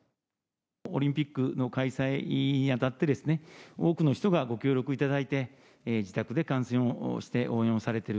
オリンピックの開催にあたってですね、多くの人がご協力いただいて、自宅で観戦をして、応援をされている。